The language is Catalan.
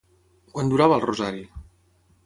Quant durava el rosari?